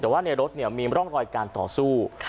แต่ว่าในรถมีร่องรอยการต่อสู้